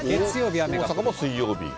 大阪も水曜日？